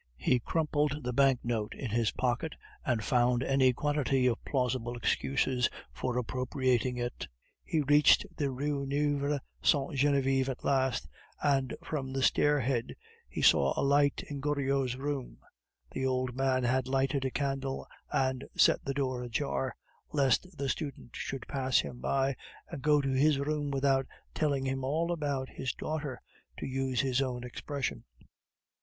He crumpled the banknote in his pocket, and found any quantity of plausible excuses for appropriating it. He reached the Rue Neuve Sainte Genevieve at last, and from the stairhead he saw a light in Goriot's room; the old man had lighted a candle, and set the door ajar, lest the student should pass him by, and go to his room without "telling him all about his daughter," to use his own expression.